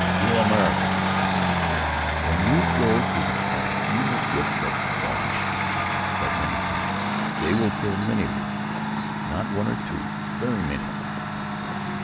"You Americans," he said, "when you go to the front you will get the Boche; but let me tell you, they will kill many of you. Not one or two; very many."